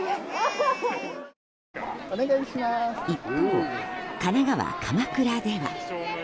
一方、神奈川・鎌倉では。